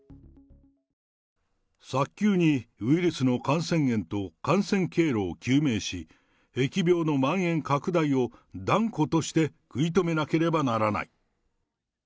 早急にウイルスの感染源と感染経路を究明し、疫病のまん延拡大を断固として食い止めなければならない。